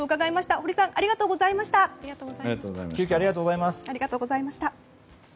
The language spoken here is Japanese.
堀さんありがとうございました。